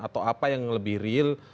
atau apa yang lebih real